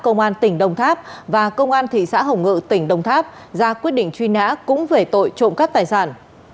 công an tỉnh đồng tháp và công an thị xã hồng ngự tỉnh đồng tháp ra quyết định truy nã cũng về tội trộm cắt tài sản